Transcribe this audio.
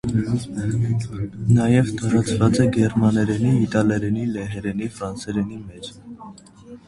Նաեւ տարածուած է գերմաներէնի, իտալերէնի, լեհերէնի, ֆրանսերէնի մէջ։